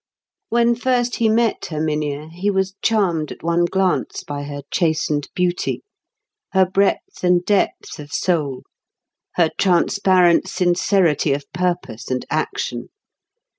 When first he met Herminia he was charmed at one glance by her chastened beauty, her breadth and depth of soul, her transparent sincerity of purpose and action.